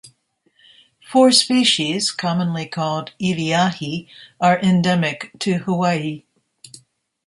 Four species, commonly called "iliahi", are endemic to Hawaii.